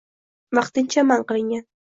vaqtincha man qilingan